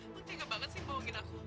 bang tega banget sih bohongin aku